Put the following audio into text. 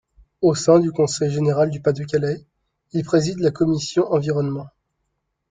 Au sein du conseil général du Pas-de-Calais, il préside la commission environnement.